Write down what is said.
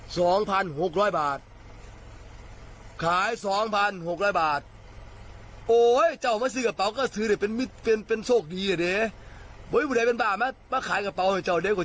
สองพันหกร้อยบาทขายสองพันหกร้อยบาท